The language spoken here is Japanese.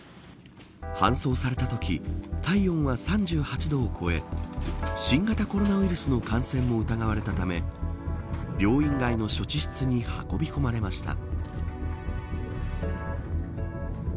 搬送されたとき体温は３８度を超え新型コロナウイルスの感染も疑われたため病院外の処置室に運び込まれました。